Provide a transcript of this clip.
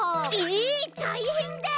えったいへんだ！